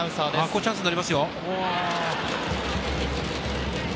チャンスになりますよ。